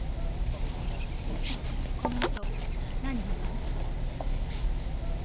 だったらこのあと何があったの？